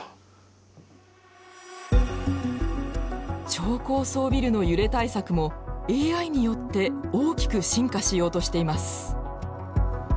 超高層ビルの揺れ対策もＡＩによって大きく進化しようとしています。